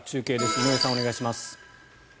井上さん、お願いします。